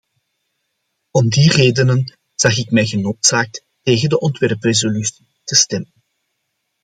Om die redenen zag ik mij genoodzaakt tegen de ontwerpresolutie te stemmen.